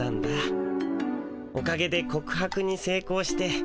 おかげでこく白にせいこうして。